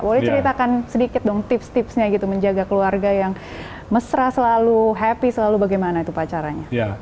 boleh ceritakan sedikit dong tips tipsnya gitu menjaga keluarga yang mesra selalu happy selalu bagaimana itu pak caranya